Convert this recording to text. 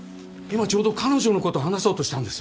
今ちょうど彼女のこと話そうとしたんです。